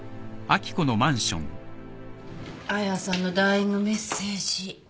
亜矢さんのダイイングメッセージ。